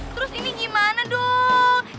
terus ini gimana dong